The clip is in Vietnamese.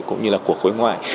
cũng như là của khối ngoại